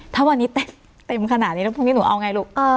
ถ้าวันนี้เต็มขนาดนี้แล้วพรุ่งนี้หนูเอาไงลูก